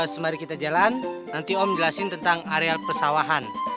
semari kita jalan nanti om jelasin tentang area persawahan